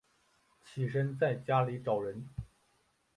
起身在家里找人